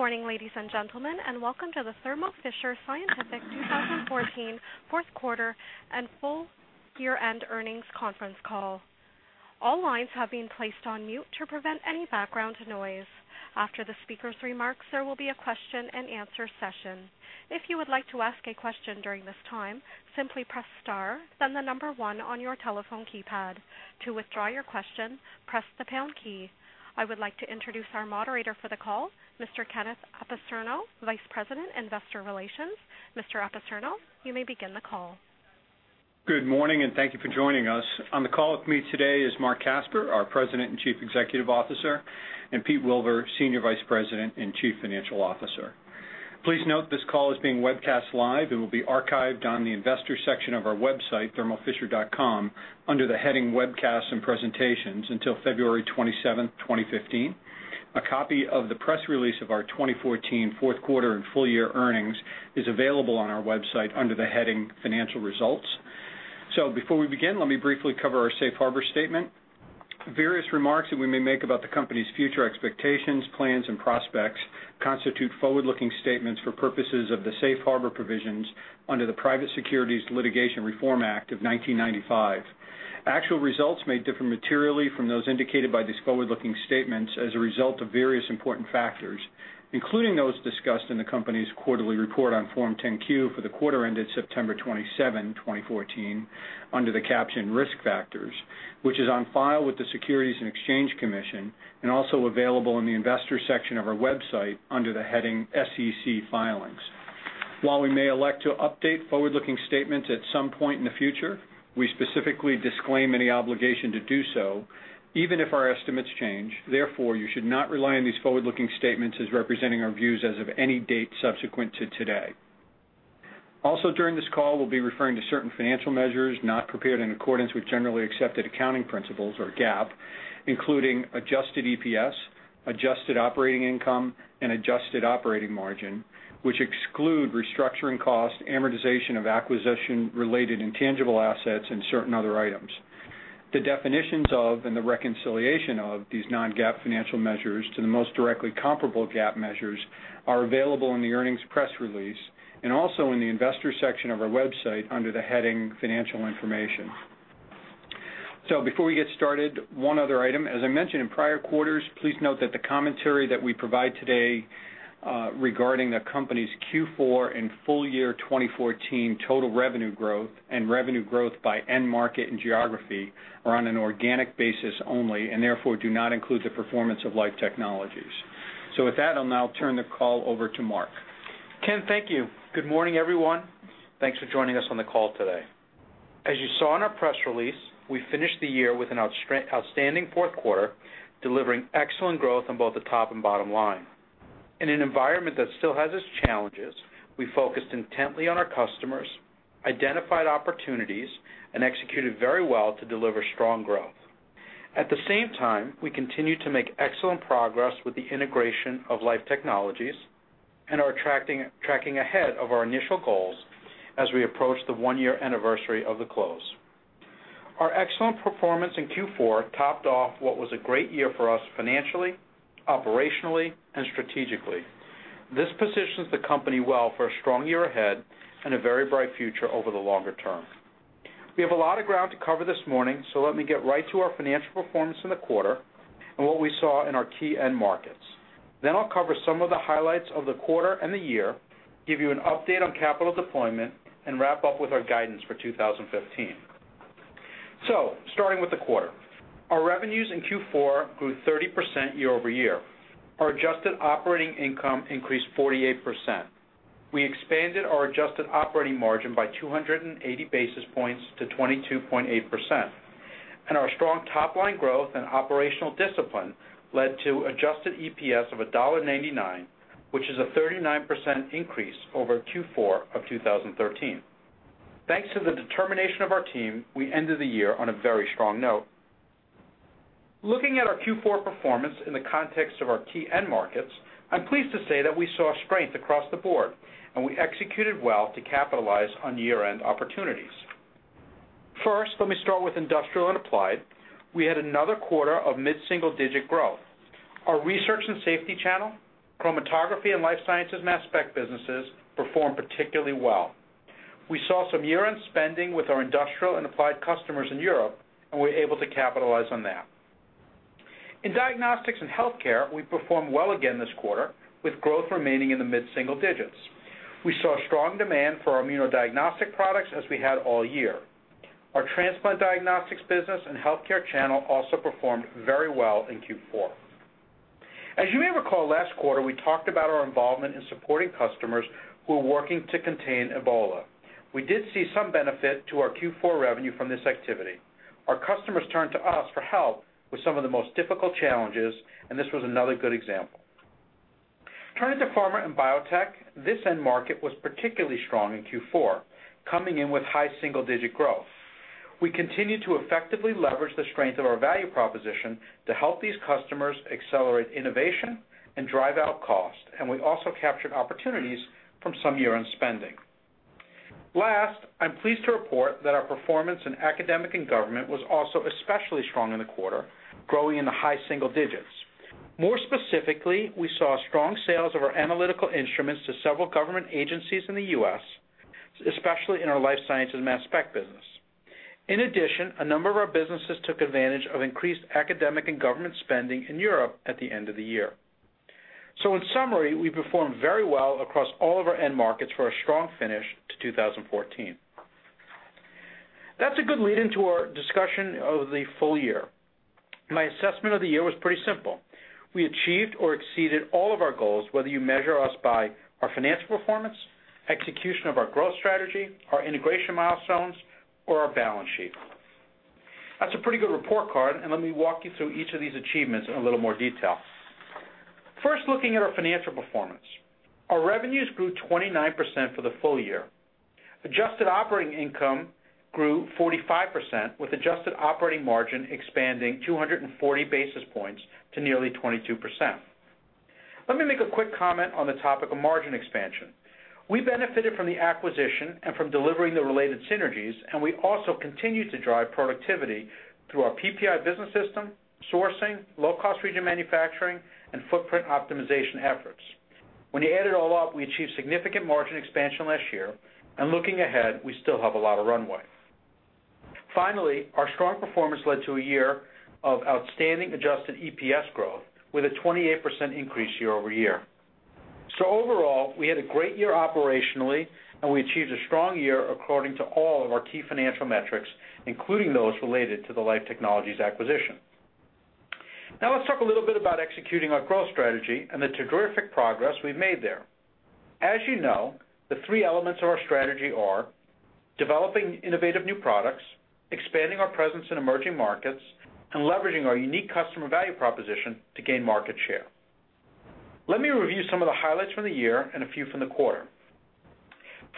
Good morning, ladies and gentlemen, welcome to the Thermo Fisher Scientific 2014 fourth quarter and full year-end earnings conference call. All lines have been placed on mute to prevent any background noise. After the speaker's remarks, there will be a question and answer session. If you would like to ask a question during this time, simply press star, then the one on your telephone keypad. To withdraw your question, press the pound key. I would like to introduce our moderator for the call, Mr. Kenneth Apicerno, Vice President, Investor Relations. Mr. Apicerno, you may begin the call. Good morning, thank you for joining us. On the call with me today is Marc Casper, our President and Chief Executive Officer, and Pete Wilver, Senior Vice President and Chief Financial Officer. Please note this call is being webcast live and will be archived on the investor section of our website, thermofisher.com, under the heading Webcasts and Presentations until February 27th, 2015. A copy of the press release of our 2014 fourth quarter and full year earnings is available on our website under the heading Financial Results. Before we begin, let me briefly cover our safe harbor statement. Various remarks that we may make about the company's future expectations, plans, and prospects constitute forward-looking statements for purposes of the safe harbor provisions under the Private Securities Litigation Reform Act of 1995. Actual results may differ materially from those indicated by these forward-looking statements as a result of various important factors, including those discussed in the company's quarterly report on Form 10-Q for the quarter ended September 27, 2014, under the caption Risk Factors, which is on file with the Securities and Exchange Commission and also available in the Investor section of our website under the heading SEC Filings. While we may elect to update forward-looking statements at some point in the future, we specifically disclaim any obligation to do so, even if our estimates change. Therefore, you should not rely on these forward-looking statements as representing our views as of any date subsequent to today. Also, during this call, we'll be referring to certain financial measures not prepared in accordance with generally accepted accounting principles, or GAAP, including adjusted EPS, adjusted operating income, and adjusted operating margin, which exclude restructuring costs, amortization of acquisition-related intangible assets, and certain other items. The definitions of and the reconciliation of these non-GAAP financial measures to the most directly comparable GAAP measures are available in the earnings press release and also in the Investor section of our website under the heading Financial Information. Before we get started, one other item. As I mentioned in prior quarters, please note that the commentary that we provide today regarding the company's Q4 and full year 2014 total revenue growth and revenue growth by end market and geography are on an organic basis only and therefore do not include the performance of Life Technologies. I'll now turn the call over to Marc. Ken, thank you. Good morning, everyone. Thanks for joining us on the call today. As you saw in our press release, we finished the year with an outstanding fourth quarter, delivering excellent growth on both the top and bottom line. In an environment that still has its challenges, we focused intently on our customers, identified opportunities, and executed very well to deliver strong growth. At the same time, we continued to make excellent progress with the integration of Life Technologies and are tracking ahead of our initial goals as we approach the one-year anniversary of the close. Our excellent performance in Q4 topped off what was a great year for us financially, operationally, and strategically. This positions the company well for a strong year ahead and a very bright future over the longer term. We have a lot of ground to cover this morning, let me get right to our financial performance in the quarter and what we saw in our key end markets. I'll cover some of the highlights of the quarter and the year, give you an update on capital deployment, and wrap up with our guidance for 2015. Starting with the quarter, our revenues in Q4 grew 30% year-over-year. Our adjusted operating income increased 48%. We expanded our adjusted operating margin by 280 basis points to 22.8%, and our strong top-line growth and operational discipline led to adjusted EPS of $1.99, which is a 39% increase over Q4 of 2013. Thanks to the determination of our team, we ended the year on a very strong note. Looking at our Q4 performance in the context of our key end markets, I'm pleased to say that we saw strength across the board, and we executed well to capitalize on year-end opportunities. First, let me start with Industrial and Applied. We had another quarter of mid-single-digit growth. Our research and safety channel, chromatography and life sciences mass spec businesses performed particularly well. We saw some year-end spending with our Industrial and Applied customers in Europe, and we were able to capitalize on that. In Diagnostics and Healthcare, we performed well again this quarter, with growth remaining in the mid-single digits. We saw strong demand for our immunodiagnostic products as we had all year. Our transplant diagnostics business and healthcare channel also performed very well in Q4. As you may recall, last quarter, we talked about our involvement in supporting customers who are working to contain Ebola. We did see some benefit to our Q4 revenue from this activity. Our customers turned to us for help with some of the most difficult challenges, and this was another good example. Turning to Pharma and Biotech, this end market was particularly strong in Q4, coming in with high single-digit growth. We continued to effectively leverage the strength of our value proposition to help these customers accelerate innovation and drive out cost, and we also captured opportunities from some year-end spending. Last, I am pleased to report that our performance in academic and government was also especially strong in the quarter, growing in the high single digits. More specifically, we saw strong sales of our Analytical Instruments to several government agencies in the U.S., especially in our life sciences mass spec business. In addition, a number of our businesses took advantage of increased academic and government spending in Europe at the end of the year. In summary, we performed very well across all of our end markets for a strong finish to 2014. That is a good lead into our discussion of the full year. My assessment of the year was pretty simple. We achieved or exceeded all of our goals, whether you measure us by our financial performance, execution of our growth strategy, our integration milestones, or our balance sheet. That is a pretty good report card, and let me walk you through each of these achievements in a little more detail. First, looking at our financial performance. Our revenues grew 29% for the full year. Adjusted Operating Income grew 45%, with Adjusted Operating Margin expanding 240 basis points to nearly 22%. Let me make a quick comment on the topic of margin expansion. We benefited from the acquisition and from delivering the related synergies, and we also continued to drive productivity through our PPI business system, sourcing, low-cost region manufacturing, and footprint optimization efforts. When you add it all up, we achieved significant margin expansion last year, and looking ahead, we still have a lot of runway. Finally, our strong performance led to a year of outstanding Adjusted EPS growth, with a 28% increase year-over-year. Overall, we had a great year operationally, and we achieved a strong year according to all of our key financial metrics, including those related to the Life Technologies acquisition. Let us talk a little bit about executing our growth strategy and the terrific progress we have made there. As you know, the three elements of our strategy are developing innovative new products, expanding our presence in emerging markets, and leveraging our unique customer value proposition to gain market share. Let me review some of the highlights from the year and a few from the quarter.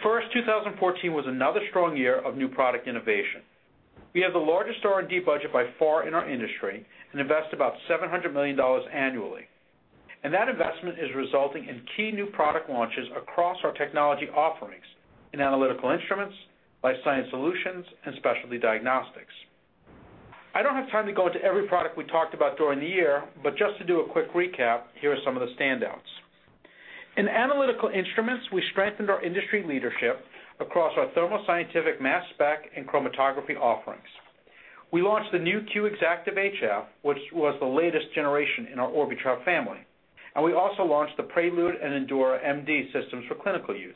First, 2014 was another strong year of new product innovation. We have the largest R&D budget by far in our industry and invest about $700 million annually. That investment is resulting in key new product launches across our technology offerings in Analytical Instruments, Life Sciences Solutions, and Specialty Diagnostics. I do not have time to go into every product we talked about during the year, but just to do a quick recap, here are some of the standouts. In Analytical Instruments, we strengthened our industry leadership across our Thermo Scientific mass spec and chromatography offerings. We launched the new Q Exactive HF, which was the latest generation in our Orbitrap family, and we also launched the Prelude and Endura MD systems for clinical use.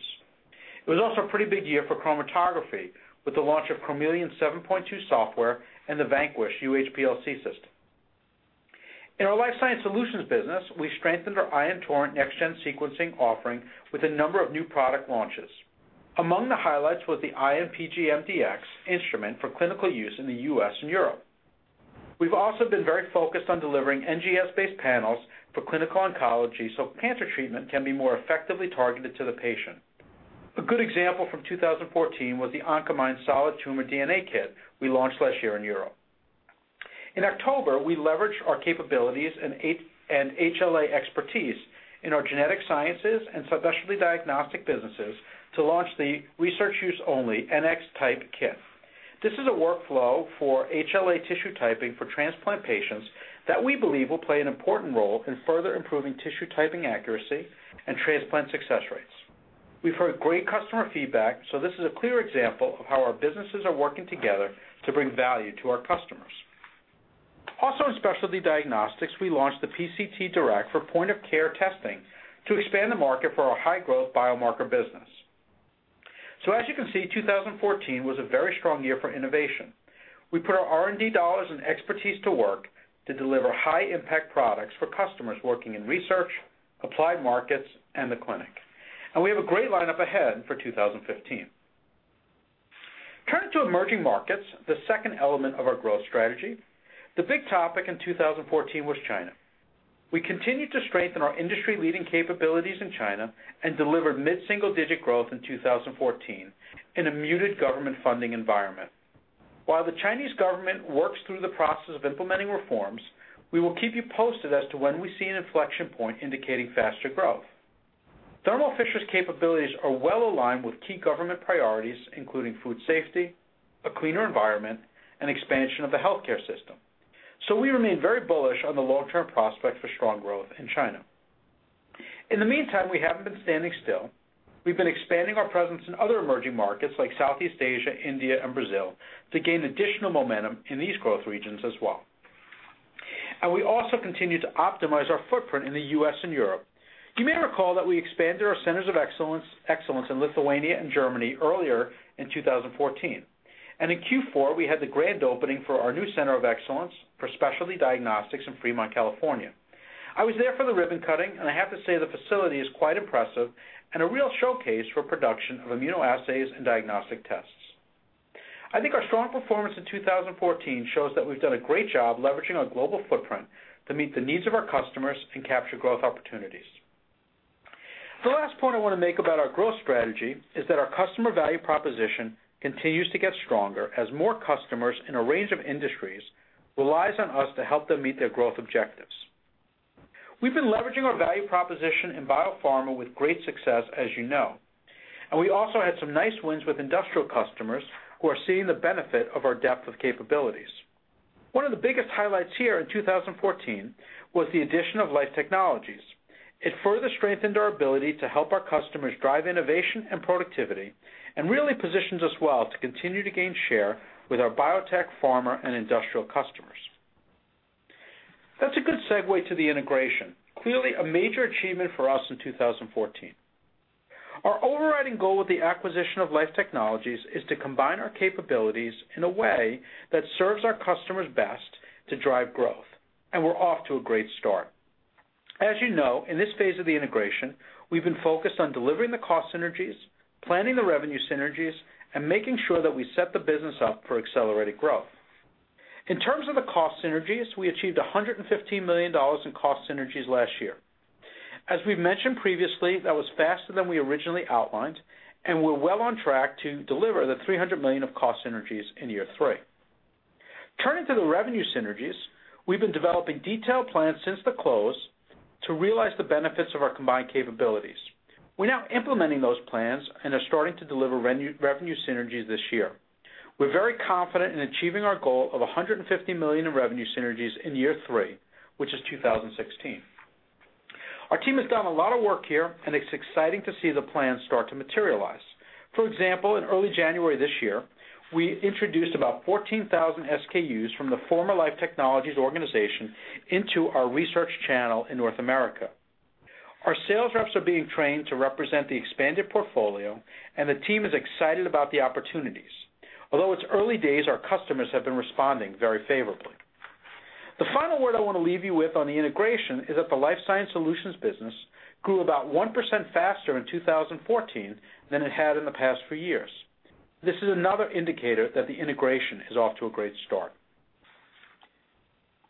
It was also a pretty big year for chromatography, with the launch of Chromeleon 7.2 software and the Vanquish UHPLC system. In our Life Sciences Solutions business, we strengthened our Ion Torrent next gen sequencing offering with a number of new product launches. Among the highlights was the Ion PGM Dx instrument for clinical use in the U.S. and Europe. We've also been very focused on delivering NGS-based panels for clinical oncology so cancer treatment can be more effectively targeted to the patient. A good example from 2014 was the Oncomine Solid Tumor DNA Kit we launched last year in Europe. In October, we leveraged our capabilities and HLA expertise in our genetic sciences and Specialty Diagnostics businesses to launch the research use only NXType kit. This is a workflow for HLA tissue typing for transplant patients that we believe will play an important role in further improving tissue typing accuracy and transplant success rates. We've heard great customer feedback, this is a clear example of how our businesses are working together to bring value to our customers. Also in Specialty Diagnostics, we launched the PCT direct for point of care testing to expand the market for our high-growth biomarker business. As you can see, 2014 was a very strong year for innovation. We put our R&D dollars and expertise to work to deliver high-impact products for customers working in research, applied markets, and the clinic. We have a great lineup ahead for 2015. Turning to emerging markets, the second element of our growth strategy, the big topic in 2014 was China. We continued to strengthen our industry-leading capabilities in China and delivered mid-single digit growth in 2014 in a muted government funding environment. While the Chinese government works through the process of implementing reforms, we will keep you posted as to when we see an inflection point indicating faster growth. Thermo Fisher's capabilities are well aligned with key government priorities, including food safety, a cleaner environment, and expansion of the healthcare system. We remain very bullish on the long-term prospect for strong growth in China. In the meantime, we haven't been standing still. We've been expanding our presence in other emerging markets like Southeast Asia, India, and Brazil to gain additional momentum in these growth regions as well. We also continue to optimize our footprint in the U.S. and Europe. You may recall that we expanded our centers of excellence in Lithuania and Germany earlier in 2014, in Q4, we had the grand opening for our new center of excellence for Specialty Diagnostics in Fremont, California. I was there for the ribbon cutting, I have to say, the facility is quite impressive and a real showcase for production of immunoassays and diagnostic tests. I think our strong performance in 2014 shows that we've done a great job leveraging our global footprint to meet the needs of our customers and capture growth opportunities. The last point I want to make about our growth strategy is that our customer value proposition continues to get stronger as more customers in a range of industries relies on us to help them meet their growth objectives. We've been leveraging our value proposition in biopharma with great success, as you know. We also had some nice wins with industrial customers who are seeing the benefit of our depth of capabilities. One of the biggest highlights here in 2014 was the addition of Life Technologies. It further strengthened our ability to help our customers drive innovation and productivity, and really positions us well to continue to gain share with our biotech pharma and industrial customers. That's a good segue to the integration. Clearly, a major achievement for us in 2014. Our overriding goal with the acquisition of Life Technologies is to combine our capabilities in a way that serves our customers best to drive growth, and we're off to a great start. As you know, in this phase of the integration, we've been focused on delivering the cost synergies, planning the revenue synergies, and making sure that we set the business up for accelerated growth. In terms of the cost synergies, we achieved $115 million in cost synergies last year. As we've mentioned previously, that was faster than we originally outlined, and we're well on track to deliver the $300 million of cost synergies in year three. Turning to the revenue synergies, we've been developing detailed plans since the close to realize the benefits of our combined capabilities. We're now implementing those plans and are starting to deliver revenue synergies this year. We're very confident in achieving our goal of $150 million in revenue synergies in year three, which is 2016. Our team has done a lot of work here, and it's exciting to see the plan start to materialize. For example, in early January this year, we introduced about 14,000 SKUs from the former Life Technologies organization into our research channel in North America. Our sales reps are being trained to represent the expanded portfolio, and the team is excited about the opportunities. Although it's early days, our customers have been responding very favorably. The final word I want to leave you with on the integration is that the Life Sciences Solutions business grew about 1% faster in 2014 than it had in the past four years. This is another indicator that the integration is off to a great start.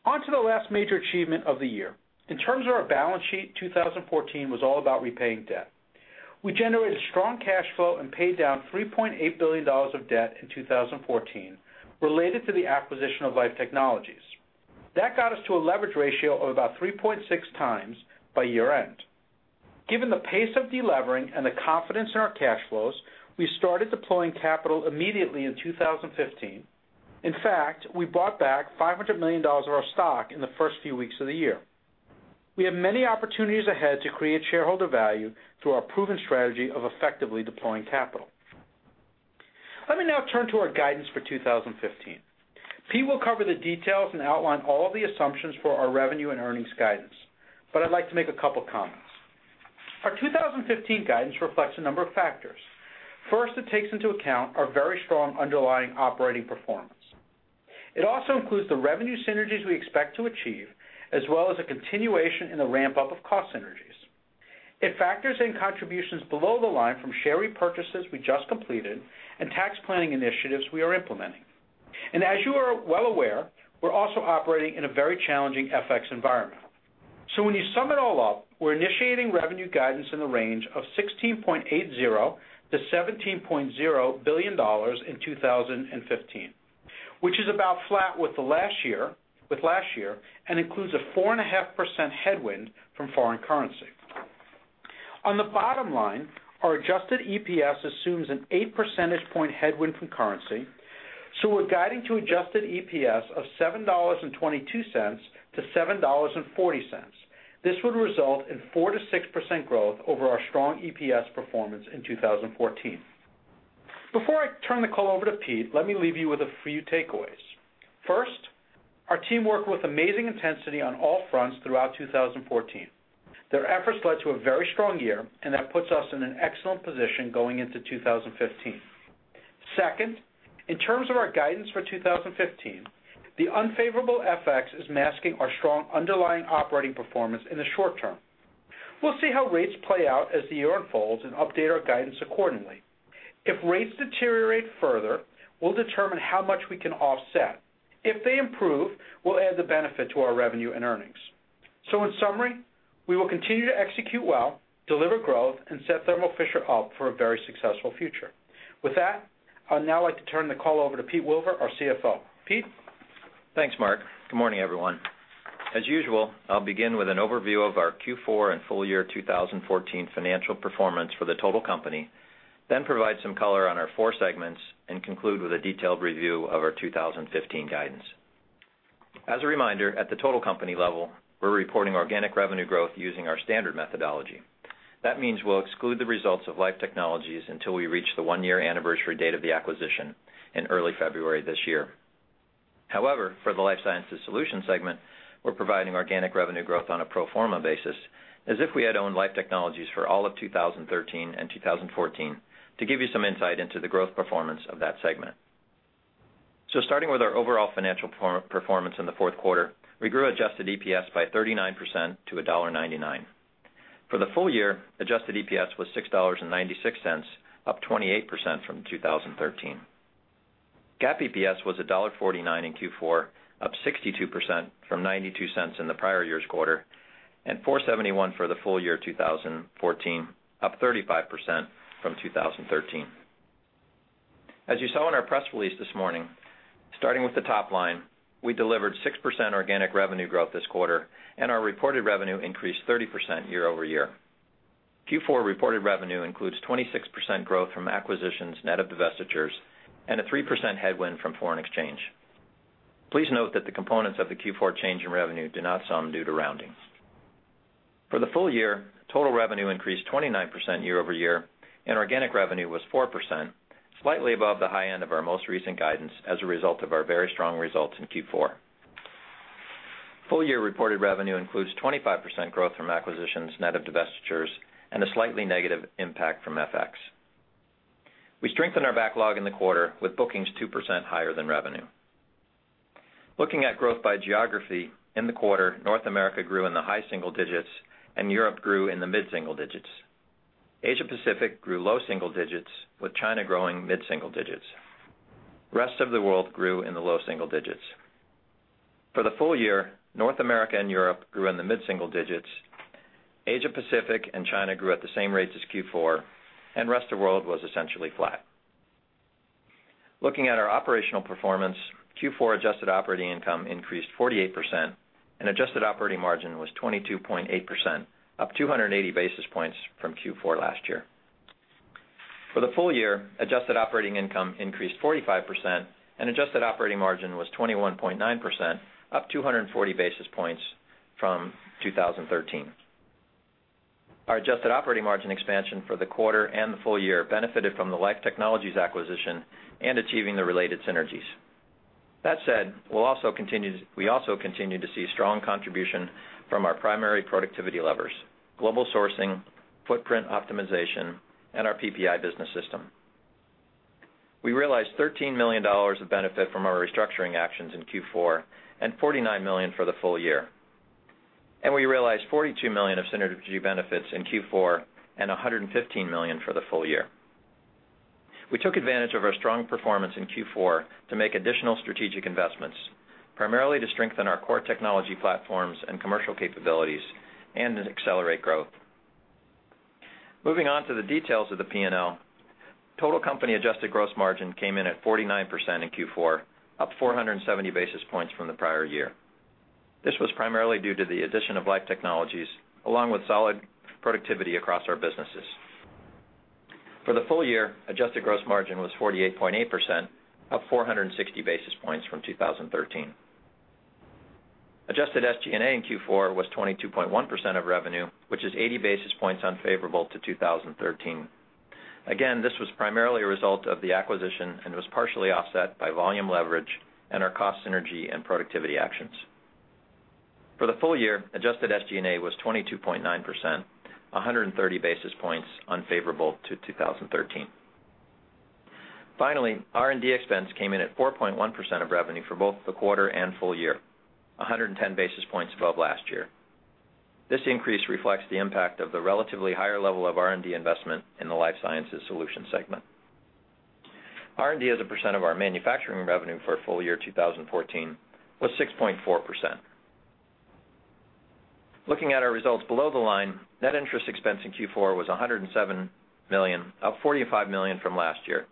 On to the last major achievement of the year. In terms of our balance sheet, 2014 was all about repaying debt. We generated strong cash flow and paid down $3.8 billion of debt in 2014 related to the acquisition of Life Technologies. That got us to a leverage ratio of about 3.6 times by year end. Given the pace of de-levering and the confidence in our cash flows, we started deploying capital immediately in 2015. In fact, we bought back $500 million of our stock in the first few weeks of the year. We have many opportunities ahead to create shareholder value through our proven strategy of effectively deploying capital. Let me now turn to our guidance for 2015. Pete will cover the details and outline all of the assumptions for our revenue and earnings guidance, but I'd like to make a couple comments. Our 2015 guidance reflects a number of factors. First, it takes into account our very strong underlying operating performance. It also includes the revenue synergies we expect to achieve, as well as a continuation in the ramp-up of cost synergies. It factors in contributions below the line from share repurchases we just completed and tax planning initiatives we are implementing. As you are well aware, we're also operating in a very challenging FX environment. When you sum it all up, we're initiating revenue guidance in the range of $16.80 billion-$17.0 billion in 2015, which is about flat with last year, and includes a 4.5% headwind from foreign currency. On the bottom line, our adjusted EPS assumes an eight percentage point headwind from currency, so we're guiding to adjusted EPS of $7.22-$7.40. This would result in 4%-6% growth over our strong EPS performance in 2014. Before I turn the call over to Pete, let me leave you with a few takeaways. First, our team worked with amazing intensity on all fronts throughout 2014. Their efforts led to a very strong year, and that puts us in an excellent position going into 2015. Second, in terms of our guidance for 2015, the unfavorable FX is masking our strong underlying operating performance in the short term. We'll see how rates play out as the year unfolds and update our guidance accordingly. If rates deteriorate further, we'll determine how much we can offset. If they improve, we'll add the benefit to our revenue and earnings. In summary, we will continue to execute well, deliver growth, and set Thermo Fisher up for a very successful future. With that, I'd now like to turn the call over to Pete Wilver, our CFO. Pete? Thanks, Marc. Good morning, everyone. As usual, I'll begin with an overview of our Q4 and full year 2014 financial performance for the total company, then provide some color on our four segments and conclude with a detailed review of our 2015 guidance. As a reminder, at the total company level, we're reporting organic revenue growth using our standard methodology. That means we'll exclude the results of Life Technologies until we reach the one-year anniversary date of the acquisition in early February this year. However, for the Life Sciences Solutions segment, we're providing organic revenue growth on a pro forma basis as if we had owned Life Technologies for all of 2013 and 2014 to give you some insight into the growth performance of that segment. Starting with our overall financial performance in the fourth quarter, we grew adjusted EPS by 39% to $1.99. For the full year, adjusted EPS was $6.96, up 28% from 2013. GAAP EPS was $1.49 in Q4, up 62% from $0.92 in the prior year's quarter, and $4.71 for the full year 2014, up 35% from 2013. As you saw in our press release this morning, starting with the top line, we delivered 6% organic revenue growth this quarter, and our reported revenue increased 30% year-over-year. Q4 reported revenue includes 26% growth from acquisitions net of divestitures, and a 3% headwind from foreign exchange. Please note that the components of the Q4 change in revenue do not sum due to rounding. For the full year, total revenue increased 29% year-over-year, and organic revenue was 4%, slightly above the high end of our most recent guidance as a result of our very strong results in Q4. Full-year reported revenue includes 25% growth from acquisitions net of divestitures, and a slightly negative impact from FX. We strengthened our backlog in the quarter with bookings 2% higher than revenue. Looking at growth by geography in the quarter, North America grew in the high single digits and Europe grew in the mid-single digits. Asia Pacific grew low single digits, with China growing mid-single digits. Rest of the world grew in the low single digits. For the full year, North America and Europe grew in the mid-single digits. Asia Pacific and China grew at the same rates as Q4, and rest of world was essentially flat. Looking at our operational performance, Q4 adjusted operating income increased 48%, and adjusted operating margin was 22.8%, up 280 basis points from Q4 last year. For the full year, adjusted operating income increased 45%, and adjusted operating margin was 21.9%, up 240 basis points from 2013. Our adjusted operating margin expansion for the quarter and the full year benefited from the Life Technologies acquisition and achieving the related synergies. That said, we also continued to see strong contribution from our primary productivity levers: global sourcing, footprint optimization, and our PPI business system. We realized $13 million of benefit from our restructuring actions in Q4, and $49 million for the full year. We realized $42 million of synergy benefits in Q4 and $115 million for the full year. We took advantage of our strong performance in Q4 to make additional strategic investments, primarily to strengthen our core technology platforms and commercial capabilities, and to accelerate growth. Moving on to the details of the P&L. Total company adjusted gross margin came in at 49% in Q4, up 470 basis points from the prior year. This was primarily due to the addition of Life Technologies, along with solid productivity across our businesses. For the full year, adjusted gross margin was 48.8%, up 460 basis points from 2013. Adjusted SG&A in Q4 was 22.1% of revenue, which is 80 basis points unfavorable to 2013. Again, this was primarily a result of the acquisition and was partially offset by volume leverage and our cost synergy and productivity actions. For the full year, adjusted SG&A was 22.9%, 130 basis points unfavorable to 2013. Finally, R&D expense came in at 4.1% of revenue for both the quarter and full year, 110 basis points above last year. This increase reflects the impact of the relatively higher level of R&D investment in the Life Sciences Solutions segment. R&D as a percent of our manufacturing revenue for full year 2014 was 6.4%. Looking at our results below the line, net interest expense in Q4 was $107 million, up $45 million from last year.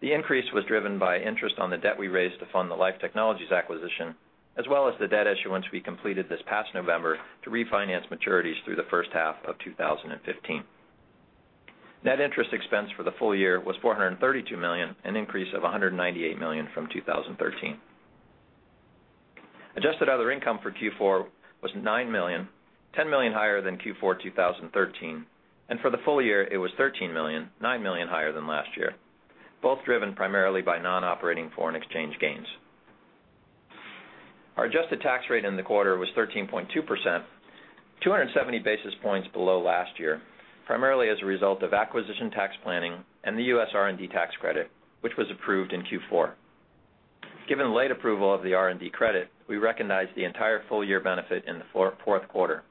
The increase was driven by interest on the debt we raised to fund the Life Technologies acquisition, as well as the debt issuance we completed this past November to refinance maturities through the first half of 2015. Net interest expense for the full year was $432 million, an increase of $198 million from 2013. Adjusted other income for Q4 was $9 million, $10 million higher than Q4 2013, and for the full year it was $13 million, $9 million higher than last year, both driven primarily by non-operating foreign exchange gains. Our adjusted tax rate in the quarter was 13.2%, 270 basis points below last year, primarily as a result of acquisition tax planning and the U.S. R&D tax credit, which was approved in Q4. Given late approval of the R&D tax credit, we recognized the entire full-year benefit in the fourth quarter.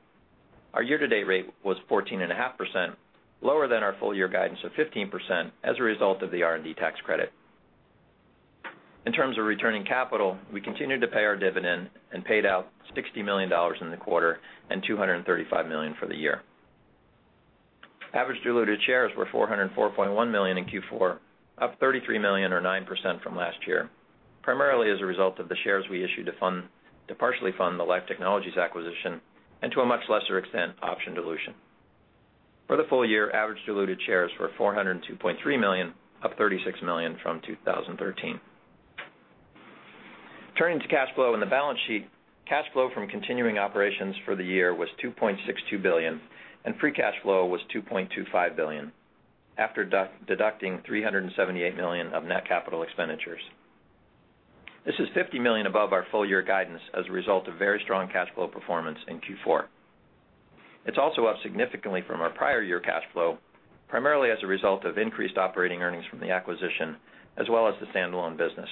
Our year-to-date rate was 14.5%, lower than our full-year guidance of 15% as a result of the R&D tax credit. In terms of returning capital, we continued to pay our dividend and paid out $60 million in the quarter and $235 million for the year. Average diluted shares were 404.1 million in Q4, up 33 million or 9% from last year, primarily as a result of the shares we issued to partially fund the Life Technologies acquisition, and to a much lesser extent, option dilution. For the full year, average diluted shares were 402.3 million, up 36 million from 2013. Turning to cash flow and the balance sheet. Cash flow from continuing operations for the year was $2.62 billion, and free cash flow was $2.25 billion after deducting $378 million of net capital expenditures. This is $50 million above our full-year guidance as a result of very strong cash flow performance in Q4. It's also up significantly from our prior year cash flow, primarily as a result of increased operating earnings from the acquisition, as well as the standalone business.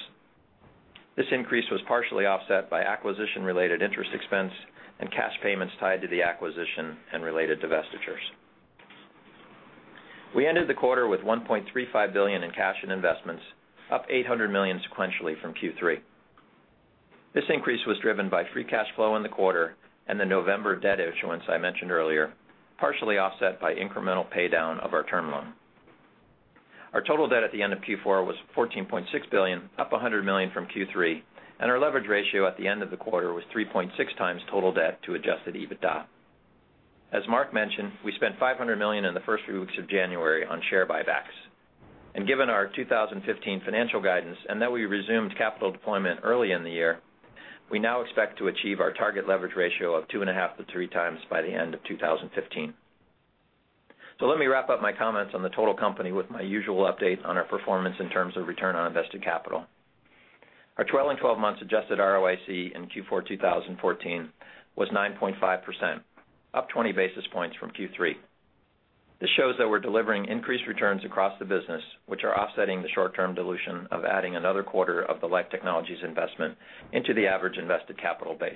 This increase was partially offset by acquisition-related interest expense and cash payments tied to the acquisition and related divestitures. We ended the quarter with $1.35 billion in cash and investments, up $800 million sequentially from Q3. This increase was driven by free cash flow in the quarter and the November debt issuance I mentioned earlier, partially offset by incremental paydown of our term loan. Our total debt at the end of Q4 was $14.6 billion, up $100 million from Q3, and our leverage ratio at the end of the quarter was 3.6 times total debt to adjusted EBITDA. As Marc mentioned, we spent $500 million in the first few weeks of January on share buybacks. Given our 2015 financial guidance and that we resumed capital deployment early in the year, we now expect to achieve our target leverage ratio of 2.5 to 3 times by the end of 2015. Let me wrap up my comments on the total company with my usual update on our performance in terms of return on invested capital. Our trailing 12 months adjusted ROIC in Q4 2014 was 9.5%, up 20 basis points from Q3. This shows that we're delivering increased returns across the business, which are offsetting the short-term dilution of adding another quarter of the Life Technologies investment into the average invested capital base.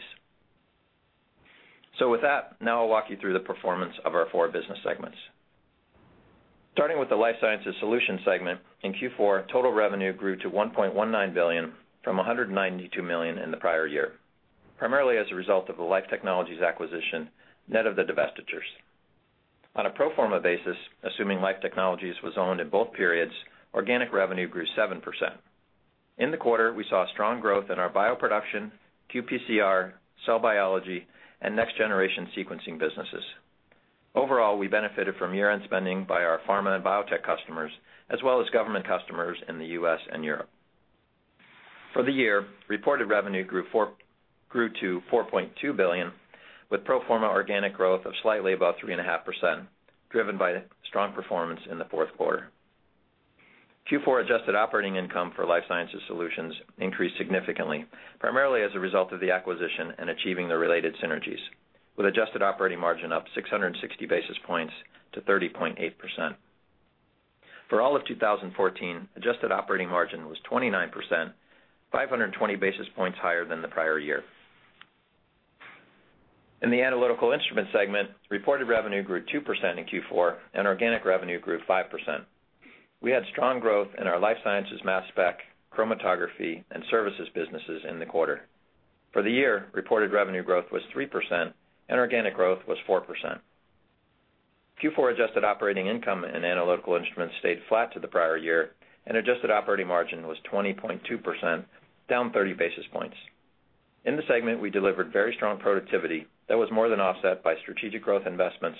With that, now I'll walk you through the performance of our four business segments. Starting with the Life Sciences Solutions segment, in Q4, total revenue grew to $1.19 billion from $192 million in the prior year, primarily as a result of the Life Technologies acquisition, net of the divestitures. On a pro forma basis, assuming Life Technologies was owned in both periods, organic revenue grew 7%. In the quarter, we saw strong growth in our bioproduction, qPCR, cell biology, and next-generation sequencing businesses. Overall, we benefited from year-end spending by our pharma and biotech customers, as well as government customers in the U.S. and Europe. For the year, reported revenue grew to $4.2 billion, with pro forma organic growth of slightly above 3.5%, driven by strong performance in the fourth quarter. Q4 adjusted operating income for Life Sciences Solutions increased significantly, primarily as a result of the acquisition and achieving the related synergies, with adjusted operating margin up 660 basis points to 30.8%. For all of 2014, adjusted operating margin was 29%, 520 basis points higher than the prior year. In the Analytical Instruments segment, reported revenue grew 2% in Q4, and organic revenue grew 5%. We had strong growth in our life sciences mass spec, chromatography, and services businesses in the quarter. For the year, reported revenue growth was 3%, and organic growth was 4%. Q4 adjusted operating income in Analytical Instruments stayed flat to the prior year, and adjusted operating margin was 20.2%, down 30 basis points. In the segment, we delivered very strong productivity that was more than offset by strategic growth investments,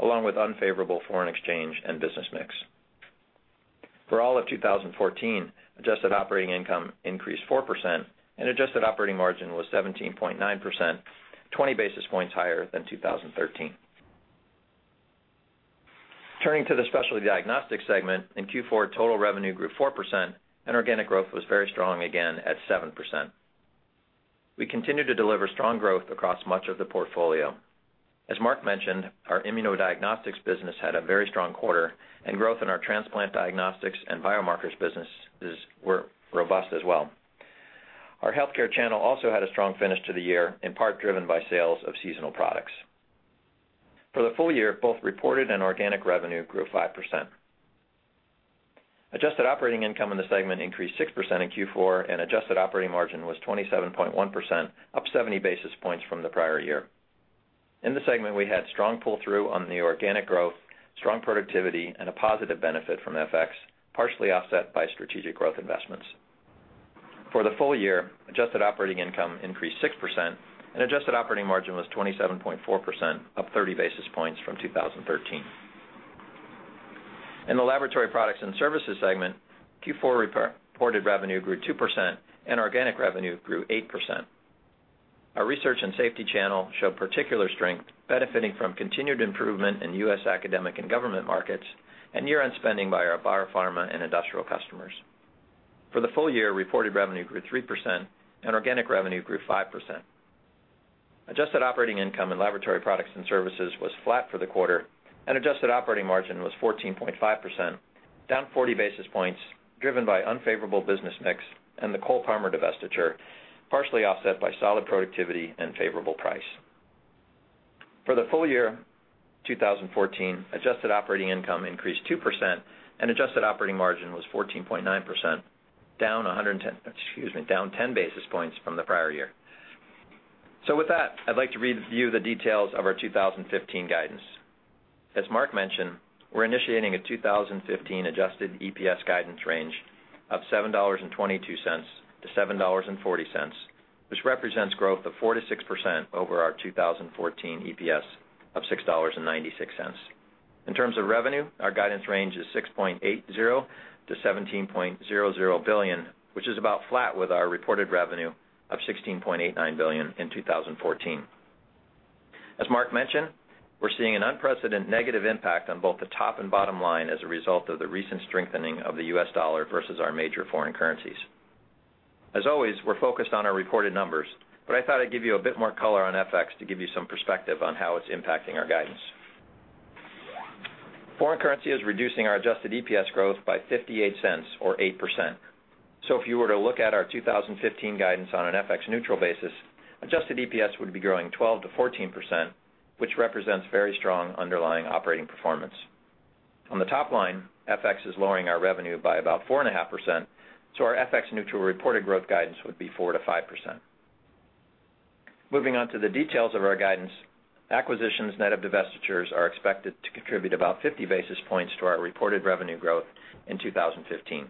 along with unfavorable foreign exchange and business mix. For all of 2014, adjusted operating income increased 4%, and adjusted operating margin was 17.9%, 20 basis points higher than 2013. Turning to the Specialty Diagnostics segment, in Q4, total revenue grew 4%, and organic growth was very strong again at 7%. We continued to deliver strong growth across much of the portfolio. As Marc mentioned, our immunodiagnostics business had a very strong quarter, and growth in our transplant diagnostics and biomarkers businesses were robust as well. Our healthcare channel also had a strong finish to the year, in part driven by sales of seasonal products. For the full year, both reported and organic revenue grew 5%. Adjusted operating income in the segment increased 6% in Q4, and adjusted operating margin was 27.1%, up 70 basis points from the prior year. In the segment, we had strong pull-through on the organic growth, strong productivity, and a positive benefit from FX, partially offset by strategic growth investments. For the full year, adjusted operating income increased 6%, and adjusted operating margin was 27.4%, up 30 basis points from 2013. In the Laboratory Products and Services segment, Q4 reported revenue grew 2%, and organic revenue grew 8%. Our research and safety channel showed particular strength, benefiting from continued improvement in U.S. academic and government markets and year-end spending by our biopharma and industrial customers. For the full year, reported revenue grew 3%, and organic revenue grew 5%. Adjusted operating income in Laboratory Products and Services was flat for the quarter, and adjusted operating margin was 14.5%, down 40 basis points, driven by unfavorable business mix and the Cole-Parmer divestiture, partially offset by solid productivity and favorable price. For the full year 2014, adjusted operating income increased 2%, and adjusted operating margin was 14.9%, down 10 basis points from the prior year. With that, I'd like to review the details of our 2015 guidance. As Marc mentioned, we're initiating a 2015 adjusted EPS guidance range of $7.22 to $7.40, which represents growth of 4% to 6% over our 2014 EPS of $6.96. In terms of revenue, our guidance range is $6.80 to $17.00 billion, which is about flat with our reported revenue of $16.89 billion in 2014. As Marc mentioned, we're seeing an unprecedented negative impact on both the top and bottom line as a result of the recent strengthening of the U.S. dollar versus our major foreign currencies. As always, we're focused on our reported numbers, but I thought I'd give you a bit more color on FX to give you some perspective on how it's impacting our guidance. Foreign currency is reducing our adjusted EPS growth by $0.58 or 8%. If you were to look at our 2015 guidance on an FX neutral basis, adjusted EPS would be growing 12%-14%, which represents very strong underlying operating performance. On the top line, FX is lowering our revenue by about 4.5%, our FX neutral reported growth guidance would be 4%-5%. Moving on to the details of our guidance. Acquisitions net of divestitures are expected to contribute about 50 basis points to our reported revenue growth in 2015.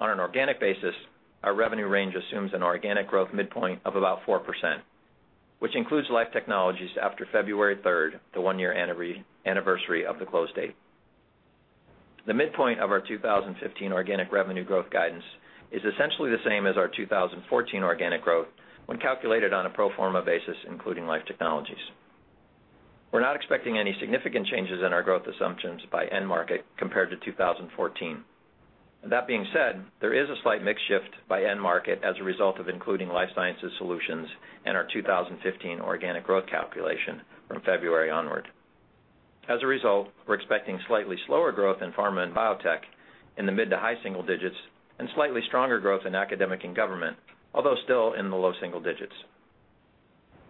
On an organic basis, our revenue range assumes an organic growth midpoint of about 4%, which includes Life Technologies after February 3rd, the one-year anniversary of the close date. The midpoint of our 2015 organic revenue growth guidance is essentially the same as our 2014 organic growth when calculated on a pro forma basis, including Life Technologies. We're not expecting any significant changes in our growth assumptions by end market compared to 2014. That being said, there is a slight mix shift by end market as a result of including Life Sciences Solutions in our 2015 organic growth calculation from February onward. As a result, we're expecting slightly slower growth in pharma and biotech in the mid to high single digits, and slightly stronger growth in academic and government, although still in the low single digits.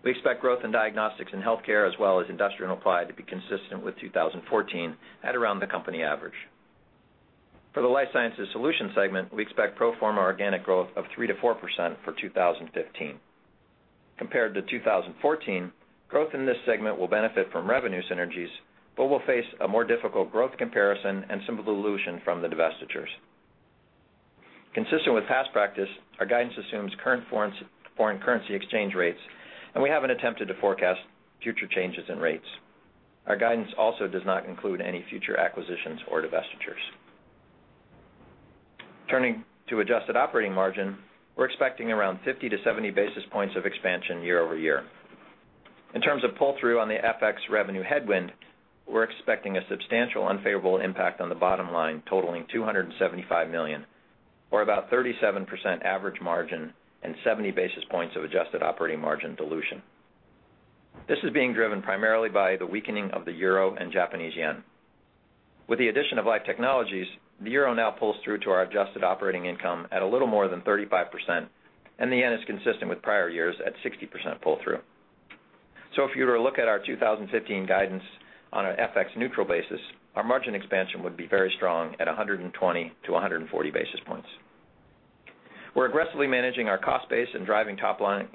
We expect growth in diagnostics and healthcare as well as Industrial and Applied to be consistent with 2014 at around the company average. For the Life Sciences Solutions segment, we expect pro forma organic growth of 3%-4% for 2015. Compared to 2014, growth in this segment will benefit from revenue synergies, but will face a more difficult growth comparison and some dilution from the divestitures. Consistent with past practice, our guidance assumes current foreign currency exchange rates. We haven't attempted to forecast future changes in rates. Our guidance also does not include any future acquisitions or divestitures. Turning to adjusted operating margin, we're expecting around 50-70 basis points of expansion year-over-year. In terms of pull-through on the FX revenue headwind, we're expecting a substantial unfavorable impact on the bottom line, totaling $275 million, or about 37% average margin and 70 basis points of adjusted operating margin dilution. This is being driven primarily by the weakening of the euro and Japanese yen. With the addition of Life Technologies, the euro now pulls through to our adjusted operating income at a little more than 35%, and the yen is consistent with prior years at 60% pull-through. If you were to look at our 2015 guidance on an FX neutral basis, our margin expansion would be very strong at 120-140 basis points. We're aggressively managing our cost base and driving top-line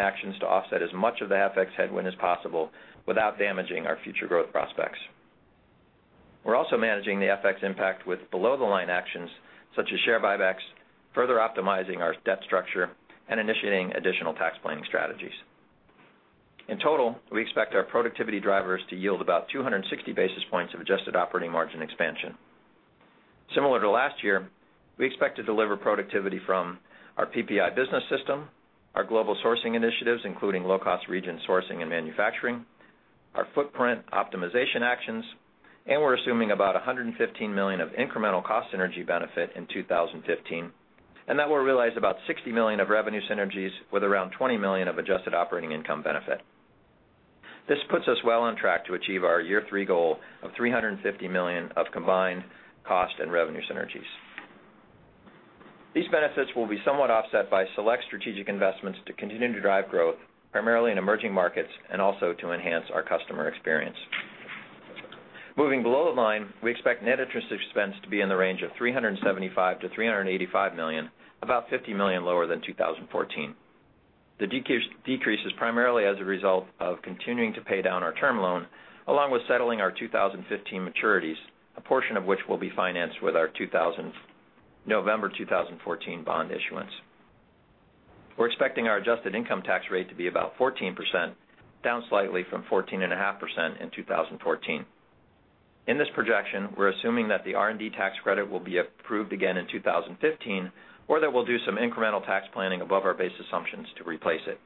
actions to offset as much of the FX headwind as possible without damaging our future growth prospects. We're also managing the FX impact with below the line actions such as share buybacks, further optimizing our debt structure and initiating additional tax planning strategies. In total, we expect our productivity drivers to yield about 260 basis points of adjusted operating margin expansion. Similar to last year, we expect to deliver productivity from our PPI business system, our global sourcing initiatives, including low-cost region sourcing and manufacturing, our footprint optimization actions. We're assuming about $115 million of incremental cost synergy benefit in 2015, and that we'll realize about $60 million of revenue synergies with around $20 million of adjusted operating income benefit. This puts us well on track to achieve our year three goal of $350 million of combined cost and revenue synergies. These benefits will be somewhat offset by select strategic investments to continue to drive growth, primarily in emerging markets, and also to enhance our customer experience. Moving below the line, we expect net interest expense to be in the range of $375 million-$385 million, about $50 million lower than 2014. The decrease is primarily as a result of continuing to pay down our term loan, along with settling our 2015 maturities, a portion of which will be financed with our November 2014 bond issuance. We're expecting our adjusted income tax rate to be about 14%, down slightly from 14.5% in 2014. In this projection, we're assuming that the R&D tax credit will be approved again in 2015, or that we'll do some incremental tax planning above our base assumptions to replace it.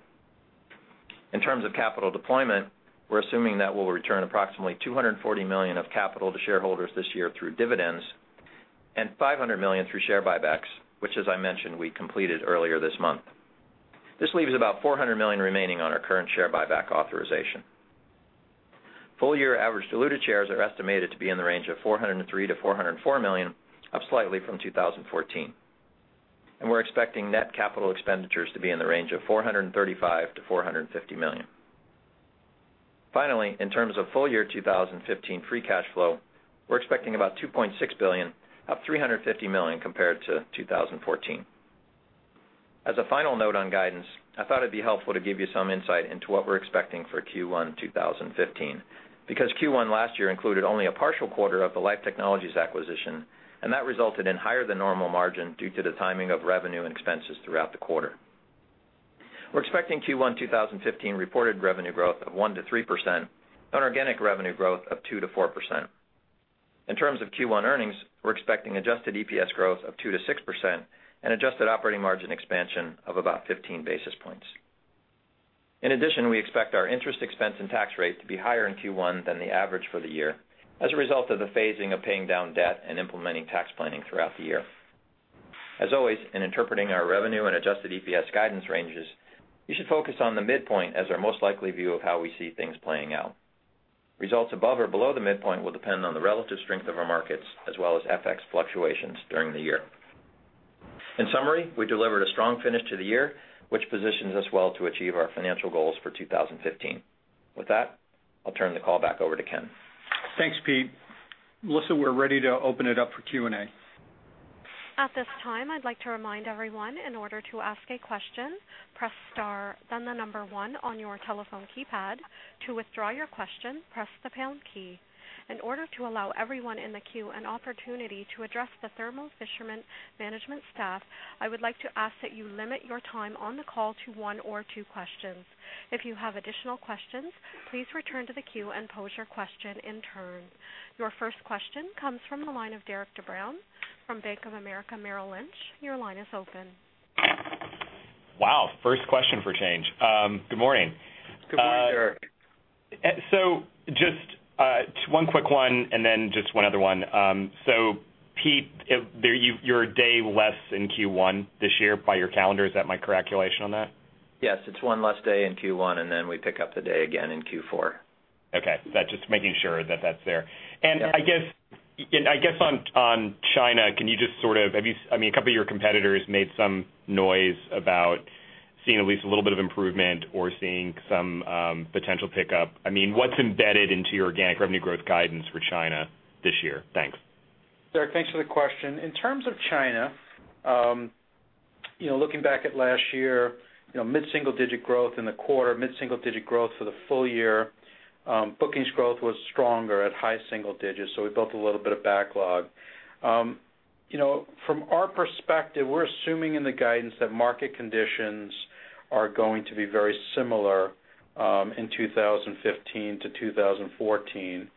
In terms of capital deployment, we're assuming that we'll return approximately $240 million of capital to shareholders this year through dividends and $500 million through share buybacks, which as I mentioned, we completed earlier this month. This leaves about $400 million remaining on our current share buyback authorization. Full year average diluted shares are estimated to be in the range of 403 million-404 million, up slightly from 2014. We're expecting net capital expenditures to be in the range of $435 million-$450 million. Finally, in terms of full year 2015 free cash flow, we're expecting about $2.6 billion, up $350 million to 2014. As a final note on guidance, I thought it'd be helpful to give you some insight into what we're expecting for Q1 2015, because Q1 last year included only a partial quarter of the Life Technologies acquisition, and that resulted in higher than normal margin due to the timing of revenue and expenses throughout the quarter. We're expecting Q1 2015 reported revenue growth of 1%-3%, on organic revenue growth of 2%-4%. In terms of Q1 earnings, we're expecting adjusted EPS growth of 2%-6% and adjusted operating margin expansion of about 15 basis points. In addition, we expect our interest expense and tax rate to be higher in Q1 than the average for the year as a result of the phasing of paying down debt and implementing tax planning throughout the year. As always, in interpreting our revenue and adjusted EPS guidance ranges, you should focus on the midpoint as our most likely view of how we see things playing out. Results above or below the midpoint will depend on the relative strength of our markets as well as FX fluctuations during the year. In summary, we delivered a strong finish to the year, which positions us well to achieve our financial goals for 2015. With that, I'll turn the call back over to Ken. Thanks, Pete. Melissa, we're ready to open it up for Q&A. At this time, I'd like to remind everyone, in order to ask a question, press star, then the number one on your telephone keypad. To withdraw your question, press the pound key. In order to allow everyone in the queue an opportunity to address the Thermo Fisher management staff, I would like to ask that you limit your time on the call to one or two questions. If you have additional questions, please return to the queue and pose your question in turn. Your first question comes from the line of Derik De Bruin from Bank of America Merrill Lynch. Your line is open. Wow. First question for change. Good morning. Good morning, Derik. Just one quick one and then just one other one. Pete, you're a day less in Q1 this year by your calendar. Is that my calculation on that? Yes. It's one less day in Q1, and then we pick up the day again in Q4. Okay. Just making sure that that's there. Yeah. I guess on China, a couple of your competitors made some noise about seeing at least a little bit of improvement or seeing some potential pickup. What's embedded into your organic revenue growth guidance for China this year? Thanks. Derek, thanks for the question. In terms of China, looking back at last year, mid-single-digit growth in the quarter, mid-single-digit growth for the full year. Bookings growth was stronger at high single digits, we built a little bit of backlog. From our perspective, we're assuming in the guidance that market conditions are going to be very similar in 2015 to 2014.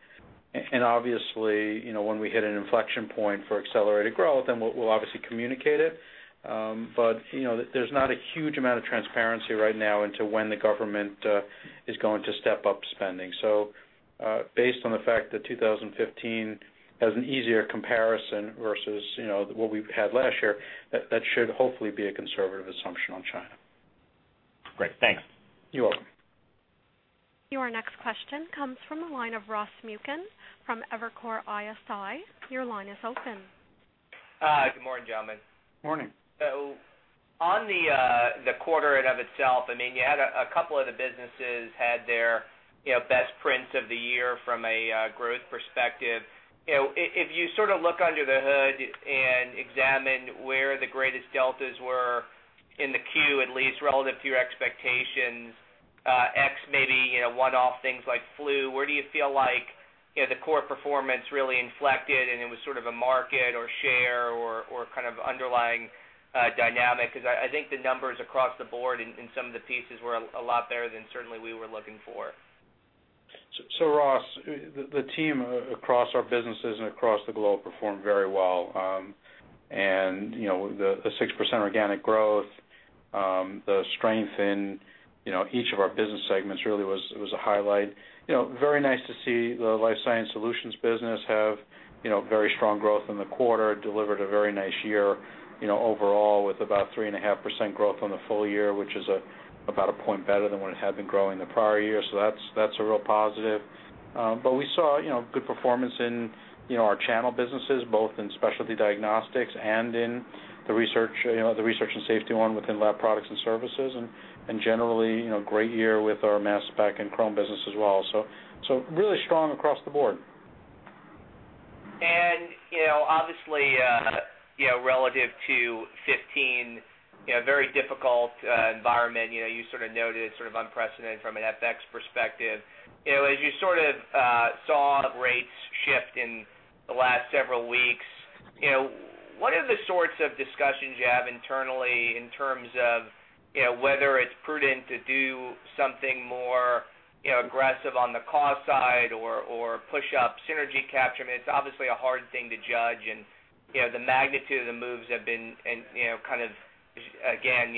Obviously, when we hit an inflection point for accelerated growth, we'll obviously communicate it. There's not a huge amount of transparency right now into when the government is going to step up spending. Based on the fact that 2015 has an easier comparison versus what we've had last year, that should hopefully be a conservative assumption on China. Great. Thanks. You're welcome. Your next question comes from the line of Ross Muken from Evercore ISI. Your line is open. Good morning, gentlemen. Morning. On the quarter in and of itself, you had a couple of the businesses had their best prints of the year from a growth perspective. If you look under the hood and examine where the greatest deltas were in the Q, at least relative to your expectations, X maybe one-off things like flu, where do you feel like the core performance really inflected, and it was sort of a market or share or kind of underlying dynamic? I think the numbers across the board in some of the pieces were a lot better than certainly we were looking for. Ross, the team across our businesses and across the globe performed very well. The 6% organic growth, the strength in each of our business segments really was a highlight. Very nice to see the Life Sciences Solutions business have very strong growth in the quarter, delivered a very nice year overall with about 3.5% growth on the full year, which is about a one point better than what it had been growing the prior year. That's a real positive. We saw good performance in our channel businesses, both in Specialty Diagnostics and in the research and safety one within Laboratory Products and Services, and generally, great year with our mass spec and chrome business as well. Really strong across the board. Obviously, relative to 2015, very difficult environment. You noted unprecedented from an FX perspective. As you saw rates shift in the last several weeks, what are the sorts of discussions you have internally in terms of whether it's prudent to do something more aggressive on the cost side or push up synergy capture? I mean, it's obviously a hard thing to judge, and the magnitude of the moves have been, again,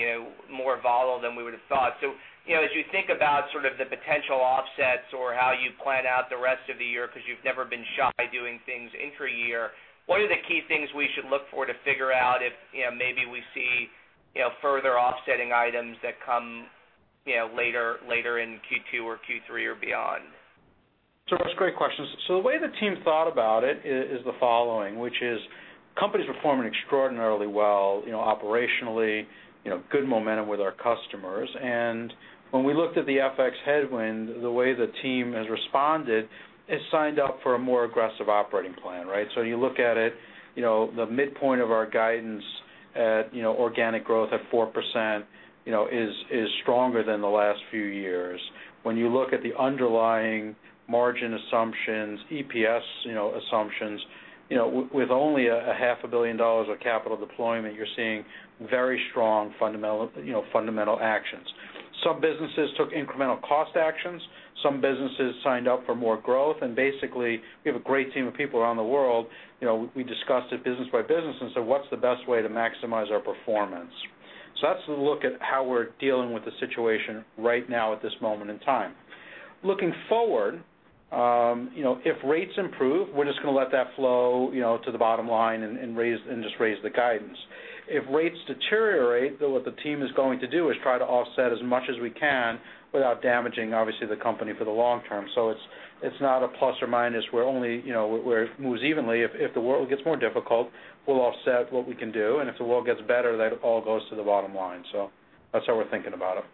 more volatile than we would've thought. As you think about the potential offsets or how you plan out the rest of the year, because you've never been shy doing things intra-year, what are the key things we should look for to figure out if maybe we see further offsetting items that come later in Q2 or Q3 or beyond? That's a great question. The way the team thought about it is the following, which is companies are performing extraordinarily well operationally, good momentum with our customers. When we looked at the FX headwind, the way the team has responded is signed up for a more aggressive operating plan, right? You look at it, the midpoint of our guidance at organic growth at 4%, is stronger than the last few years. When you look at the underlying margin assumptions, EPS assumptions, with only a half a billion dollars of capital deployment, you're seeing very strong fundamental actions. Some businesses took incremental cost actions. Some businesses signed up for more growth. Basically, we have a great team of people around the world. We discussed it business by business and said, "What's the best way to maximize our performance?" That's the look at how we're dealing with the situation right now at this moment in time. Looking forward, if rates improve, we're just going to let that flow to the bottom line and just raise the guidance. If rates deteriorate, what the team is going to do is try to offset as much as we can without damaging, obviously, the company for the long term. It's not a plus or minus where it moves evenly. If the world gets more difficult, we'll offset what we can do. If the world gets better, that all goes to the bottom line. That's how we're thinking about it.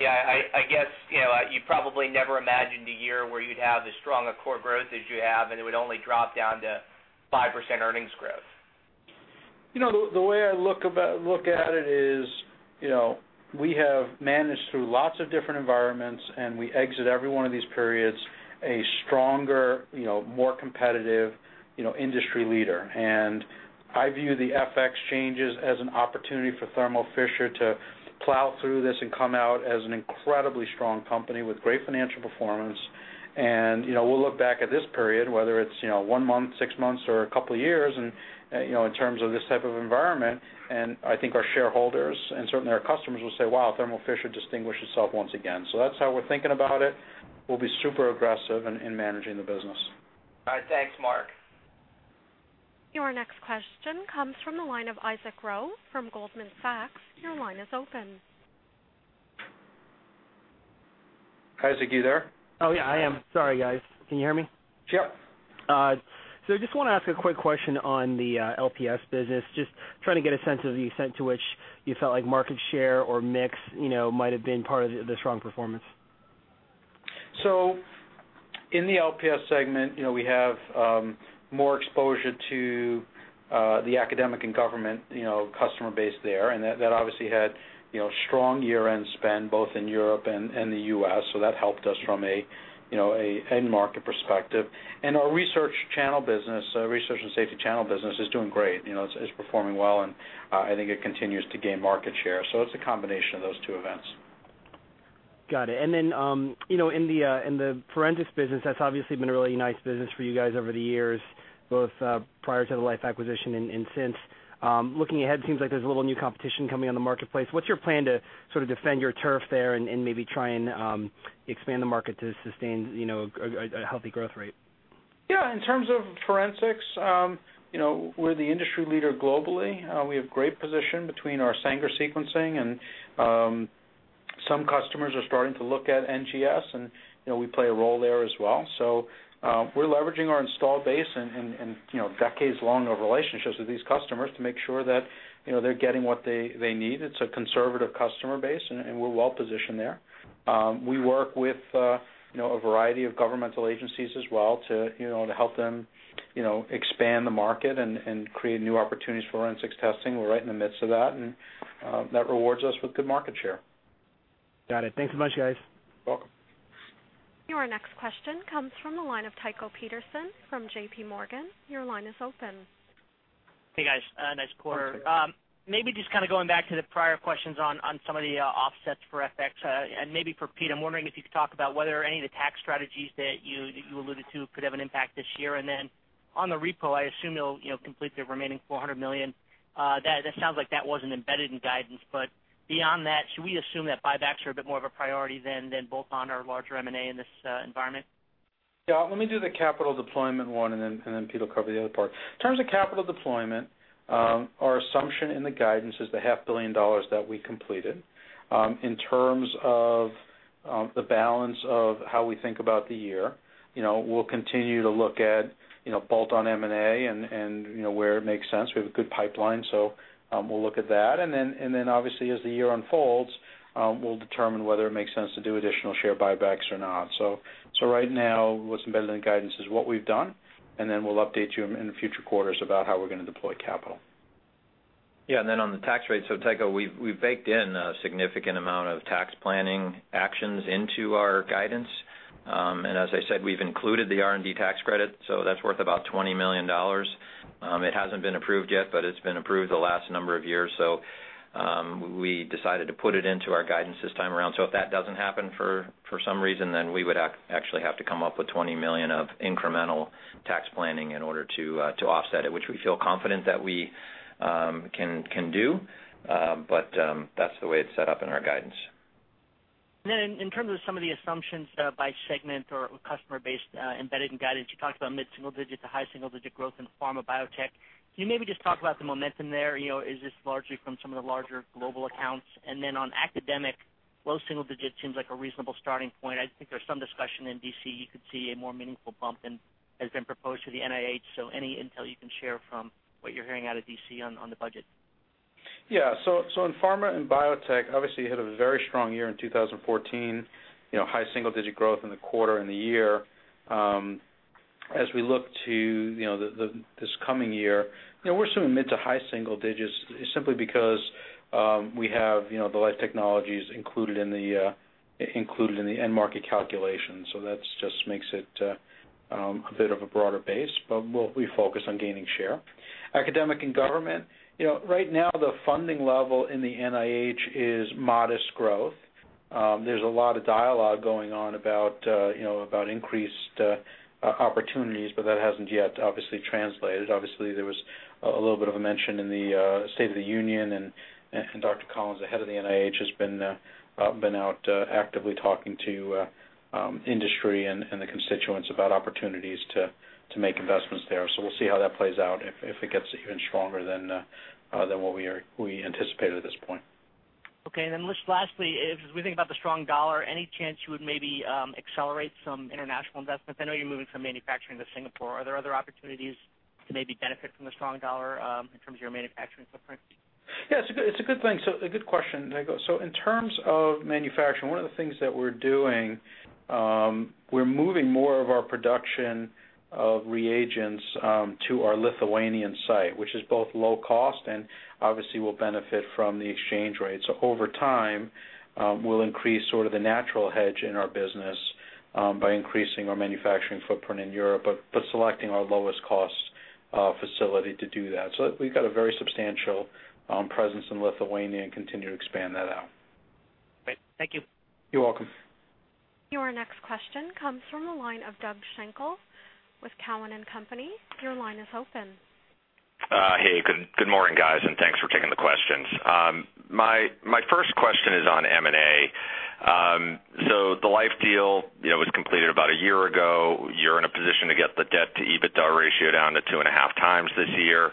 Yeah, I guess, you probably never imagined a year where you'd have as strong a core growth as you have, and it would only drop down to 5% earnings growth. The way I look at it is, we have managed through lots of different environments, and we exit every one of these periods a stronger, more competitive, industry leader. I view the FX changes as an opportunity for Thermo Fisher Scientific to plow through this and come out as an incredibly strong company with great financial performance. We'll look back at this period, whether it's one month, six months, or a couple of years, and in terms of this type of environment, and I think our shareholders and certainly our customers will say, "Wow, Thermo Fisher Scientific distinguished itself once again." That's how we're thinking about it. We'll be super aggressive in managing the business. All right. Thanks, Marc. Your next question comes from the line of Isaac Ro from Goldman Sachs. Your line is open. Isaac, you there? Oh, yeah, I am. Sorry, guys. Can you hear me? Sure. Just want to ask a quick question on the LPS business. Just trying to get a sense of the extent to which you felt like market share or mix might have been part of the strong performance. In the LPS segment, we have more exposure to the academic and government customer base there. That obviously had strong year-end spend both in Europe and the U.S., so that helped us from an end market perspective. Our research and safety channel business is doing great. It's performing well, and I think it continues to gain market share. It's a combination of those two events. Got it. In the forensics business, that's obviously been a really nice business for you guys over the years, both prior to the Life acquisition and since. Looking ahead, it seems like there's a little new competition coming on the marketplace. What's your plan to sort of defend your turf there and maybe try and expand the market to sustain a healthy growth rate? In terms of forensics, we're the industry leader globally. We have great position between our Sanger sequencing and some customers are starting to look at NGS, and we play a role there as well. We're leveraging our installed base and decades long of relationships with these customers to make sure that they're getting what they need. It's a conservative customer base, and we're well positioned there. We work with a variety of governmental agencies as well to help them expand the market and create new opportunities for forensics testing. We're right in the midst of that rewards us with good market share. Got it. Thanks a bunch, guys. Welcome. Your next question comes from the line of Tycho Peterson from JPMorgan. Your line is open. Hey, guys. Nice quarter. Maybe just kind of going back to the prior questions on some of the offsets for FX, and maybe for Pete, I'm wondering if you could talk about whether any of the tax strategies that you alluded to could have an impact this year. On the repo, I assume you'll complete the remaining $400 million. That sounds like that wasn't embedded in guidance. Beyond that, should we assume that buybacks are a bit more of a priority than bolt-on or larger M&A in this environment? Yeah. Let me do the capital deployment one, then Pete will cover the other part. In terms of capital deployment, our assumption in the guidance is the half billion dollars that we completed. In terms of the balance of how we think about the year, we'll continue to look at bolt-on M&A and where it makes sense. We have a good pipeline, we'll look at that. Obviously, as the year unfolds, we'll determine whether it makes sense to do additional share buybacks or not. Right now, what's embedded in the guidance is what we've done, and then we'll update you in the future quarters about how we're going to deploy capital. Yeah. On the tax rate, Tycho, we've baked in a significant amount of tax planning actions into our guidance. As I said, we've included the R&D tax credit, that's worth about $20 million. It hasn't been approved yet, but it's been approved the last number of years. We decided to put it into our guidance this time around. If that doesn't happen for some reason, then we would actually have to come up with $20 million of incremental tax planning in order to offset it, which we feel confident that we can do. That's the way it's set up in our guidance. In terms of some of the assumptions by segment or customer base embedded in guidance, you talked about mid-single digit to high single-digit growth in pharma biotech. Can you maybe just talk about the momentum there? Is this largely from some of the larger global accounts? On academic, low single digit seems like a reasonable starting point. I think there's some discussion in D.C. you could see a more meaningful bump than has been proposed to the NIH. Any intel you can share from what you're hearing out of D.C. on the budget? Yeah. In pharma and biotech, obviously, you had a very strong year in 2014, high single-digit growth in the quarter and the year. As we look to this coming year, we're assuming mid to high single digits simply because we have the Life Technologies included in the end market calculation. That just makes it a bit of a broader base. We focus on gaining share. Academic and government, right now the funding level in the NIH is modest growth. There's a lot of dialogue going on about increased opportunities, but that hasn't yet obviously translated. Obviously, there was a little bit of a mention in the State of the Union, and Dr. Collins, the head of the NIH, has been out actively talking to industry and the constituents about opportunities to make investments there. We'll see how that plays out, if it gets even stronger than what we anticipated at this point. Just lastly, as we think about the strong dollar, any chance you would maybe accelerate some international investments? I know you're moving some manufacturing to Singapore. Are there other opportunities to maybe benefit from the strong dollar in terms of your manufacturing footprint? It's a good question, Tycho. In terms of manufacturing, one of the things that we're doing, we're moving more of our production of reagents to our Lithuanian site, which is both low cost and obviously will benefit from the exchange rate. Over time, we'll increase the natural hedge in our business by increasing our manufacturing footprint in Europe, but selecting our lowest cost facility to do that. We've got a very substantial presence in Lithuania and continue to expand that out. Great. Thank you. You're welcome. Your next question comes from the line of Doug Schenkel with Cowen and Company. Your line is open. Hey, good morning, guys, and thanks for taking the questions. My first question is on M&A. The Life deal was completed about a year ago. You're in a position to get the debt-to-EBITDA ratio down to 2.5 times this year.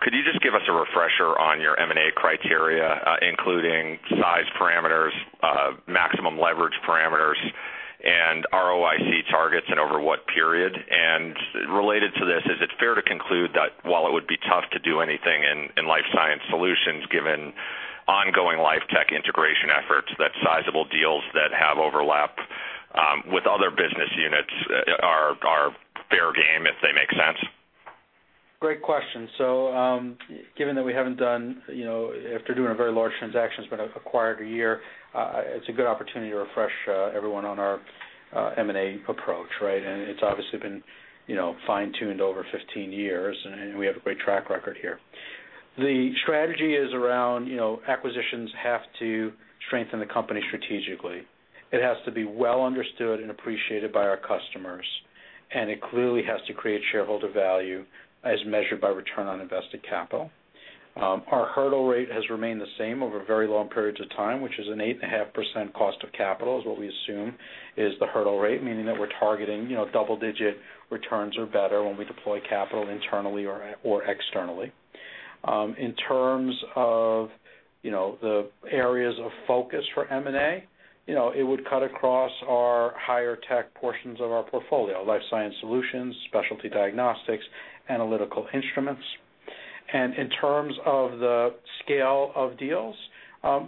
Could you just give us a refresher on your M&A criteria, including size parameters, maximum leverage parameters, and ROIC targets, and over what period? Related to this, is it fair to conclude that while it would be tough to do anything in Life Sciences Solutions given ongoing Life Tech integration efforts, that sizable deals that have overlap with other business units are fair game if they make sense? Great question. Given that after doing a very large transaction that's been acquired a year, it's a good opportunity to refresh everyone on our M&A approach, right? It's obviously been fine-tuned over 15 years, and we have a great track record here. The strategy is around acquisitions have to strengthen the company strategically. It has to be well understood and appreciated by our customers, and it clearly has to create shareholder value as measured by return on invested capital. Our hurdle rate has remained the same over very long periods of time, which is an 8.5% cost of capital, is what we assume is the hurdle rate, meaning that we're targeting double-digit returns or better when we deploy capital internally or externally. In terms of the areas of focus for M&A, it would cut across our higher tech portions of our portfolio, Life Sciences Solutions, Specialty Diagnostics, Analytical Instruments. In terms of the scale of deals,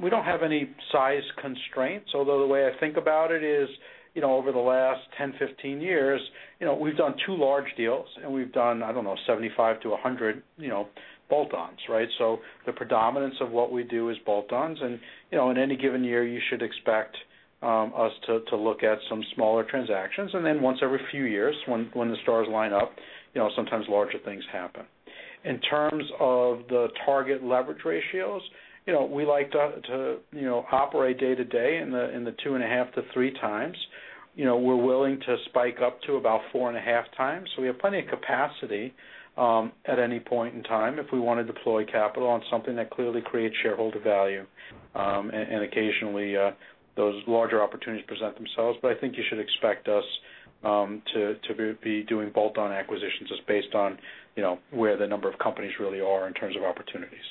we don't have any size constraints, although the way I think about it is, over the last 10, 15 years, we've done two large deals and we've done, I don't know, 75 to 100 bolt-ons, right? The predominance of what we do is bolt-ons, and in any given year, you should expect us to look at some smaller transactions. Then once every few years, when the stars line up, sometimes larger things happen. In terms of the target leverage ratios, we like to operate day to day in the 2.5x to 3x. We're willing to spike up to about 4.5x. We have plenty of capacity at any point in time if we want to deploy capital on something that clearly creates shareholder value. Occasionally, those larger opportunities present themselves, but I think you should expect us to be doing bolt-on acquisitions just based on where the number of companies really are in terms of opportunities.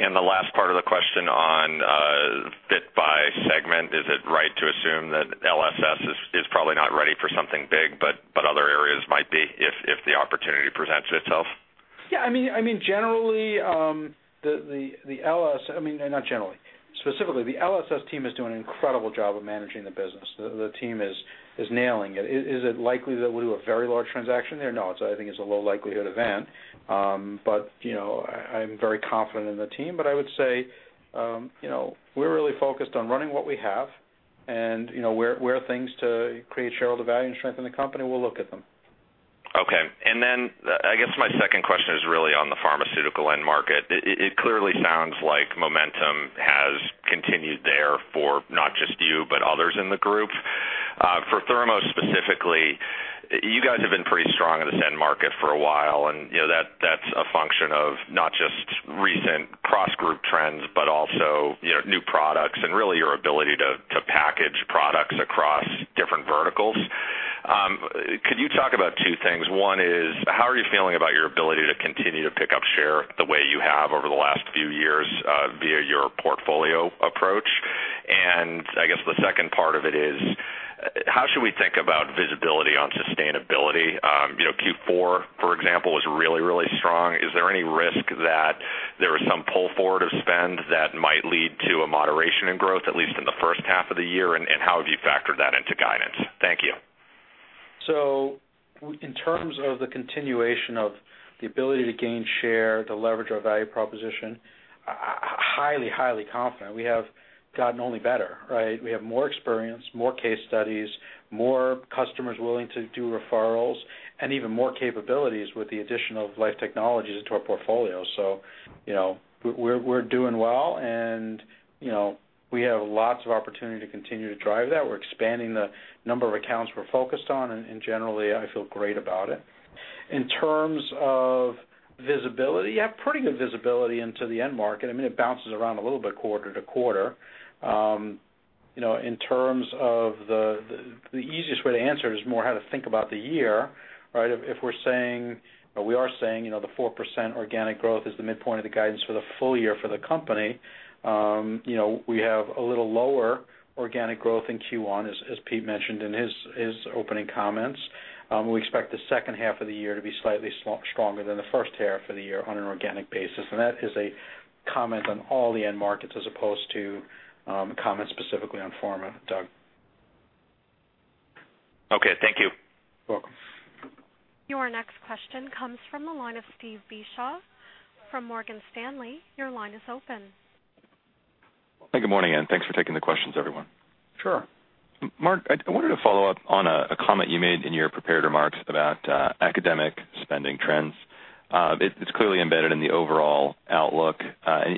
The last part of the question on bit by segment, is it right to assume that LSS is probably not ready for something big, but other areas might be if the opportunity presents itself? Yeah. Specifically, the LSS team is doing an incredible job of managing the business. The team is nailing it. Is it likely that we'll do a very large transaction there? No, I think it's a low likelihood event. I'm very confident in the team, I would say we're really focused on running what we have and where things to create shareholder value and strengthen the company, we'll look at them. I guess my second question is really on the pharmaceutical end market. It clearly sounds like momentum has continued there for not just you, but others in the group. For Thermo specifically, you guys have been pretty strong in this end market for a while, and that's a function of not just recent cross-group trends, but also new products and really your ability to package products across different verticals. Could you talk about two things? One is, how are you feeling about your ability to continue to pick up share the way you have over the last few years via your portfolio approach? I guess the second part of it is, how should we think about visibility on sustainability? Q4, for example, was really, really strong. Is there any risk that there is some pull forward of spend that might lead to a moderation in growth, at least in the first half of the year? How have you factored that into guidance? Thank you. In terms of the continuation of the ability to gain share, to leverage our value proposition, highly confident. We have gotten only better, right? We have more experience, more case studies, more customers willing to do referrals, and even more capabilities with the addition of Life Technologies to our portfolio. We're doing well and we have lots of opportunity to continue to drive that. We're expanding the number of accounts we're focused on, and generally, I feel great about it. In terms of visibility, yeah, pretty good visibility into the end market. It bounces around a little bit quarter to quarter. The easiest way to answer it is more how to think about the year, right? If we are saying the 4% organic growth is the midpoint of the guidance for the full year for the company, we have a little lower organic growth in Q1, as Pete mentioned in his opening comments. We expect the second half of the year to be slightly stronger than the first half of the year on an organic basis. That is a Comment on all the end markets, as opposed to comments specifically on pharma, Doug. Okay, thank you. You're welcome. Your next question comes from the line of Steve Beuchaw from Morgan Stanley. Your line is open. Hey, good morning, and thanks for taking the questions, everyone. Sure. Marc, I wanted to follow up on a comment you made in your prepared remarks about academic spending trends. It's clearly embedded in the overall outlook.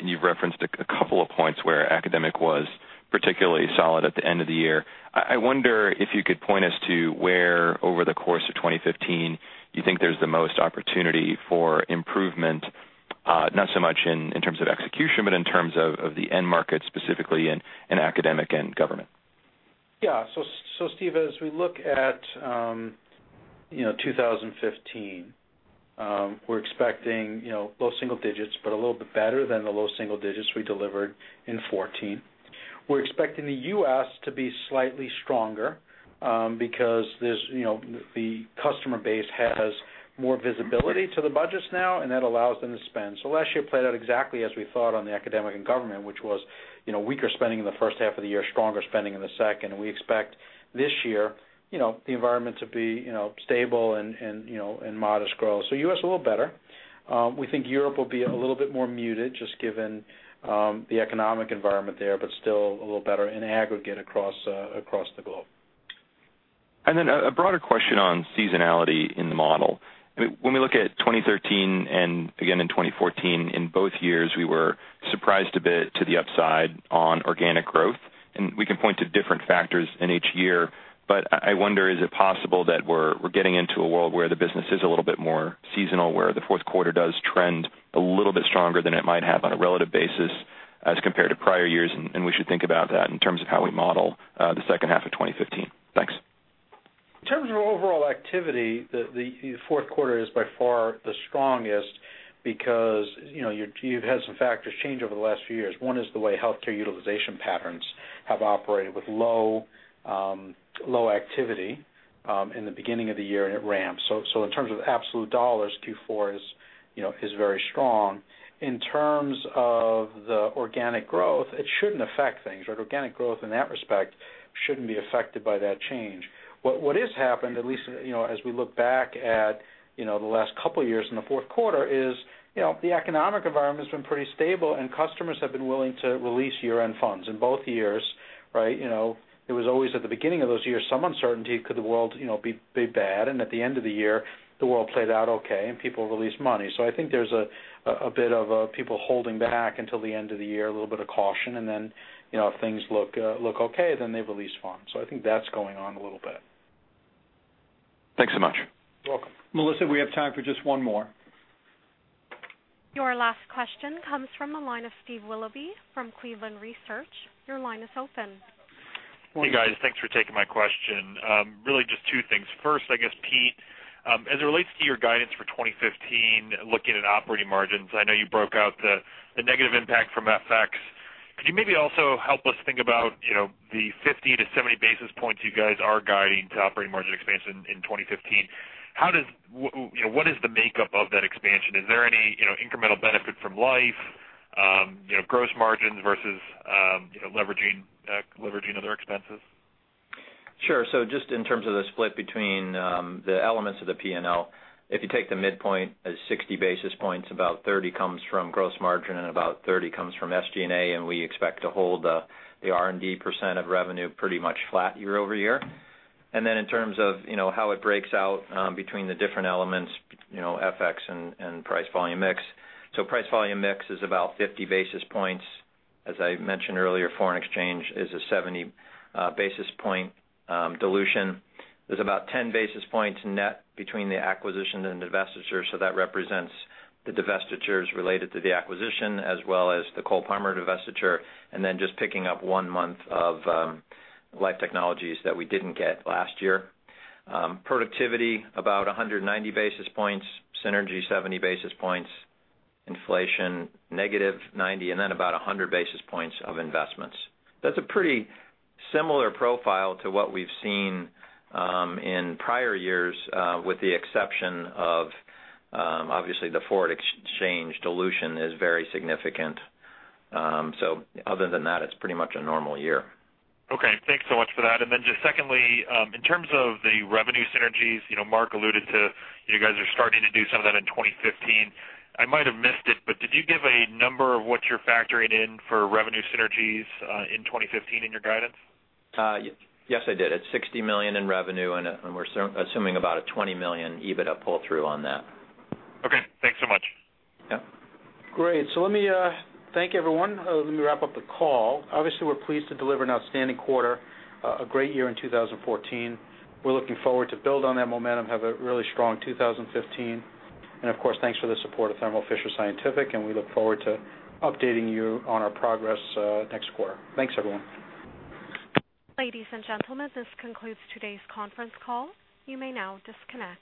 You've referenced a couple of points where academic was particularly solid at the end of the year. I wonder if you could point us to where, over the course of 2015, you think there's the most opportunity for improvement, not so much in terms of execution, but in terms of the end market, specifically in academic and government. Steve, as we look at 2015, we're expecting low single digits, but a little bit better than the low single digits we delivered in 2014. We're expecting the U.S. to be slightly stronger, because the customer base has more visibility to the budgets now, and that allows them to spend. Last year played out exactly as we thought on the academic and government, which was weaker spending in the first half of the year, stronger spending in the second. We expect this year, the environment to be stable and modest growth. U.S., a little better. We think Europe will be a little bit more muted, just given the economic environment there, but still a little better in aggregate across the globe. A broader question on seasonality in the model. When we look at 2013, and again in 2014, in both years, we were surprised a bit to the upside on organic growth. We can point to different factors in each year, but I wonder, is it possible that we're getting into a world where the business is a little bit more seasonal, where the fourth quarter does trend a little bit stronger than it might have on a relative basis as compared to prior years, and we should think about that in terms of how we model the second half of 2015? Thanks. In terms of overall activity, the fourth quarter is by far the strongest because you've had some factors change over the last few years. One is the way healthcare utilization patterns have operated with low activity in the beginning of the year, and it ramps. In terms of absolute dollars, Q4 is very strong. In terms of the organic growth, it shouldn't affect things. Organic growth in that respect shouldn't be affected by that change. What has happened, at least as we look back at the last couple of years in the fourth quarter, is the economic environment has been pretty stable, and customers have been willing to release year-end funds. In both years, it was always at the beginning of those years, some uncertainty, could the world be bad? At the end of the year, the world played out okay, and people released money. I think there's a bit of people holding back until the end of the year, a little bit of caution, and then if things look okay, then they release funds. I think that's going on a little bit. Thanks so much. You're welcome. Melissa, we have time for just one more. Your last question comes from the line of Steve Willoughby from Cleveland Research. Your line is open. Hey, guys. Thanks for taking my question. Really just two things. First, I guess, Pete, as it relates to your guidance for 2015, looking at operating margins, I know you broke out the negative impact from FX. Could you maybe also help us think about the 50-70 basis points you guys are guiding to operating margin expansion in 2015? What is the makeup of that expansion? Is there any incremental benefit from Life, gross margins versus leveraging other expenses? Sure. Just in terms of the split between the elements of the P&L, if you take the midpoint as 60 basis points, about 30 comes from gross margin, about 30 comes from SG&A, we expect to hold the R&D % of revenue pretty much flat year-over-year. Then in terms of how it breaks out between the different elements, FX and price volume mix. Price volume mix is about 50 basis points. As I mentioned earlier, foreign exchange is a 70 basis point dilution. There's about 10 basis points net between the acquisition and the divestiture, so that represents the divestitures related to the acquisition as well as the Cole-Parmer divestiture, and then just picking up one month of Life Technologies that we didn't get last year. Productivity, about 190 basis points, synergy, 70 basis points, inflation, negative 90, about 100 basis points of investments. That's a pretty similar profile to what we've seen in prior years, with the exception of, obviously, the foreign exchange dilution is very significant. Other than that, it's pretty much a normal year. Okay. Thanks so much for that. Just secondly, in terms of the revenue synergies Marc alluded to, you guys are starting to do some of that in 2015. I might have missed it, but did you give a number of what you're factoring in for revenue synergies in 2015 in your guidance? Yes, I did. It's $60 million in revenue. We're assuming about a $20 million EBITDA pull-through on that. Thanks so much. Yeah. Let me thank everyone. Let me wrap up the call. Obviously, we're pleased to deliver an outstanding quarter, a great year in 2014. We're looking forward to build on that momentum, have a really strong 2015. Of course, thanks for the support of Thermo Fisher Scientific. We look forward to updating you on our progress next quarter. Thanks, everyone. Ladies and gentlemen, this concludes today's conference call. You may now disconnect.